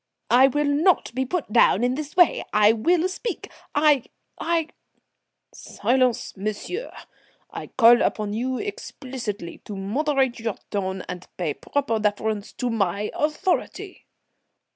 "I will not be put down in this way, I will speak; I I " "Silence, monsieur. I call upon you, explicitly, to moderate your tone and pay proper deference to my authority."